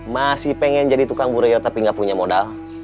masih pengen jadi tukang buroyo tapi gak punya modal